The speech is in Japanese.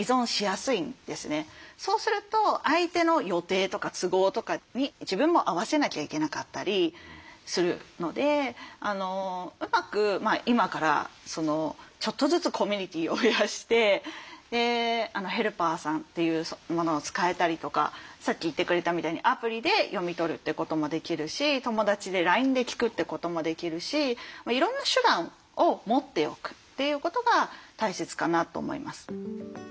そうすると相手の予定とか都合とかに自分も合わせなきゃいけなかったりするのでうまく今からちょっとずつコミュニティーを増やしてヘルパーさんっていうものを使えたりとかさっき言ってくれたみたいにアプリで読み取るってこともできるし友達でＬＩＮＥで聞くってこともできるしいろんな手段を持っておくっていうことが大切かなと思います。